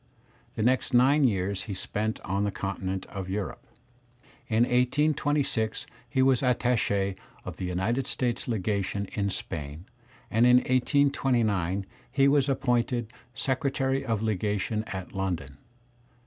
The next nine years he spent on the continent of Europe. In 1826 he was attach^ of the United States legation in Spain, and in 1829 he was appointed secretary of legation at London.